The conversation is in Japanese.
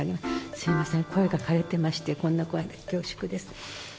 すみません、声がかれてまして、こんな声で恐縮です。